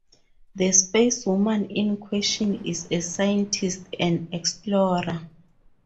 The Spacewoman in question is a scientist and explorer.